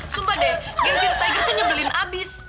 sumpah deh game cheers tiger tuh nyebelin abis